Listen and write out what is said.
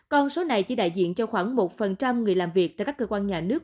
con số này chỉ đại diện cho khoảng một người làm việc tại các cơ quan nhà nước